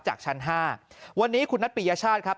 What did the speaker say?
จากชั้น๕วันนี้คุณนัทปิยชาติครับ